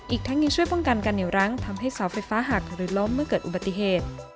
อีกทั้งยังช่วยป้องกันกันในรั้งทำให้เสาไฟฟ้าหักหรือล้มเมื่อเกิดอุบัติเหตุ